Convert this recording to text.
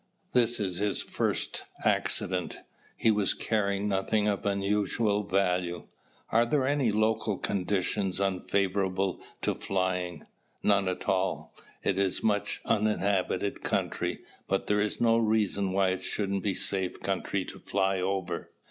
This is his first accident. He was carrying nothing of unusual value." "Are there any local conditions unfavorable to flying?" "None at all. It is much uninhabited country, but there is no reason why it shouldn't be safe country to fly over."